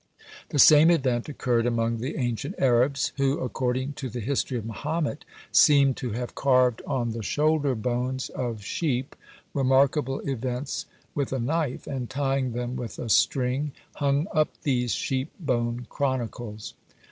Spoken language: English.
The same event occurred among the ancient Arabs, who, according to the history of Mahomet, seemed to have carved on the shoulder bones of sheep remarkable events with a knife, and tying them with a string, hung up these sheep bone chronicles.